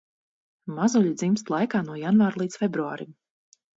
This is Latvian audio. Mazuļi dzimst laikā no janvāra līdz februārim.